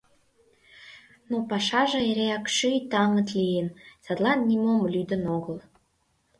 Но пашаже эреак шӱй даҥыт лийын, садлан нимом лудын огыл.